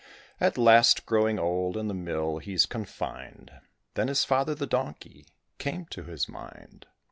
At last, growing old, in the mill he's confined, Then his father, the donkey, came into his mind.